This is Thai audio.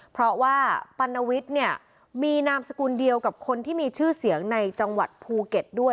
เพราะว่าปัณวิทย์เนี่ยมีนามสกุลเดียวกับคนที่มีชื่อเสียงในจังหวัดภูเก็ตด้วย